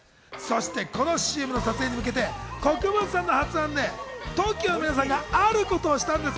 このＣＭの撮影に向けて国分さんの発案でＴＯＫＩＯの皆さんがあることをしたそうなんです。